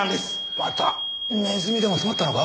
またネズミでも詰まったのか？